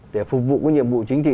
để phục vụ cái nhiệm vụ chính trị